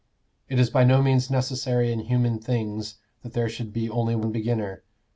It is by no means necessary in human things that there should be only one beginner.